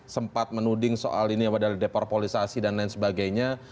sempat menuding soal ini yang berada di depor polisasi dan lain sebagainya